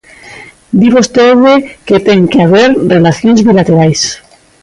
Di vostede que ten que haber relacións bilaterais.